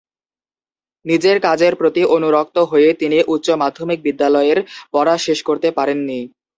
নিজের কাজের প্রতি অনুরক্ত হয়ে তিনি উচ্চ মাধ্যমিক বিদ্যালয়ের পড়া শেষ করতে পারেননি।